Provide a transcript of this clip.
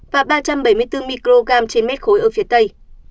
và ba trăm bảy mươi bốn microgram trên mét khối ở phía tây